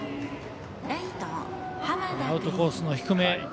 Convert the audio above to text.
アウトコースの低め。